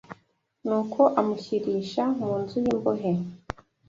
nuko amushyirisha mu nzu y’imbohe